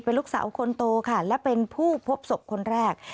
เป็นลูกสาวคนโตค่ะและเป็นผู้พบศพคนแรก